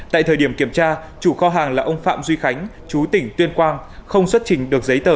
tại thời điểm kiểm tra chủ kho hàng là ông phạm duy khánh chú tỉnh tuyên quang không xuất trình được giấy tờ